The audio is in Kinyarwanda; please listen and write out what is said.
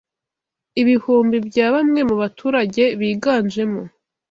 ibihumbi bya bamwe mu baturage biganjemo